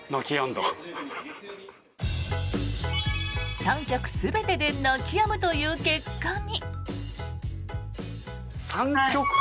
３曲全てで泣きやむという結果に。